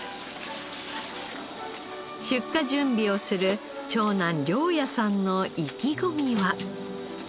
出荷準備をする長男陵矢さんの意気込みは。